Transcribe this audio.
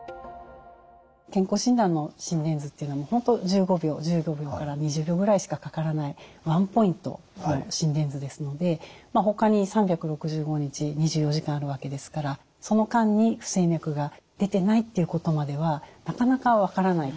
健康診断の心電図っていうのは本当１５秒１５秒から２０秒ぐらいしかかからないワンポイントの心電図ですのでほかに３６５日２４時間あるわけですからその間に不整脈が出てないっていうことまではなかなか分からない。